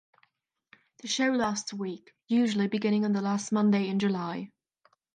The show lasts a week, usually beginning on the last Monday in July.